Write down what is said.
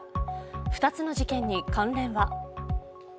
２つの事件に関連は？